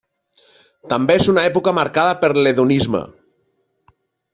També és una època marcada per l'hedonisme.